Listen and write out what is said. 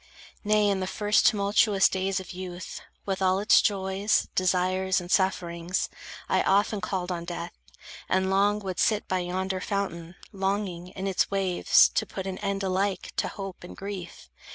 Nay, in the first tumultuous days of youth, With all its joys, desires, and sufferings, I often called on death, and long would sit By yonder fountain, longing, in its waves To put an end alike to hope and grief.